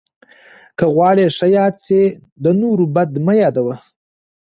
که غواړې ښه یاد سې، د نور بد مه یاد وه.